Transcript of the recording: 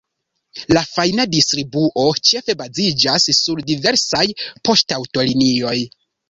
La fajna distribuo ĉefe baziĝas sur diversaj poŝtaŭtolinioj.